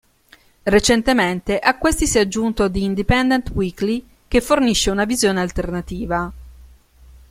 Recentemente a questi si è aggiunto "The Independent Weekly", che fornisce una visione alternativa.